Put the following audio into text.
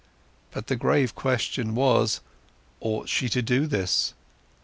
But the grave question was, ought she to do this?